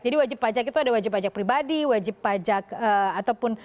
jadi wajib pajak itu ada wajib pajak pribadi wajib pajak ataupun